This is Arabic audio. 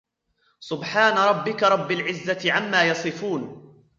سبحان ربك رب العزة عما يصفون